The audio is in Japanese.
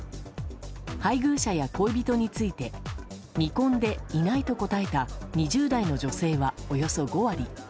配偶者や恋人について未婚でいないと答えた２０代の女性は、およそ５割。